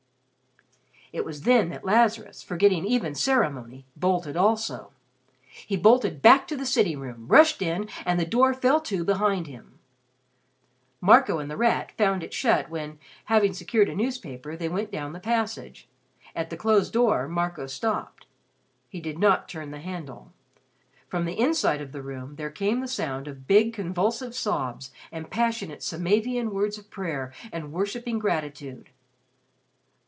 It was then that Lazarus, forgetting even ceremony, bolted also. He bolted back to the sitting room, rushed in, and the door fell to behind him. Marco and The Rat found it shut when, having secured a newspaper, they went down the passage. At the closed door, Marco stopped. He did not turn the handle. From the inside of the room there came the sound of big convulsive sobs and passionate Samavian words of prayer and worshipping gratitude.